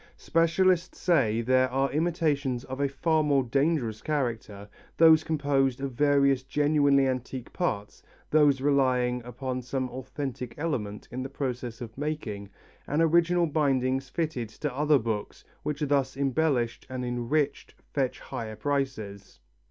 Specialists say there are imitations of a far more dangerous character, those composed of various genuinely antique parts, those relying upon some authentic element in the process of making, and original bindings fitted to other books which thus embellished and enriched fetch higher prices.